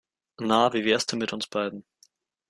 Na, wie wär's denn mit uns beiden?